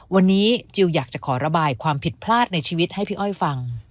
วันนี้จิลอยากจะขอระบายความผิดพลาดในชีวิตให้พี่อ้อยฟัง